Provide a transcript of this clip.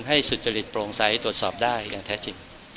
สุจริตโปร่งใสตรวจสอบได้อย่างแท้จริง